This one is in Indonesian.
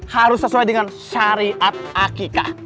harus sesuai dengan syariat akikah